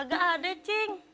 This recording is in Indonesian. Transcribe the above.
gak ada cing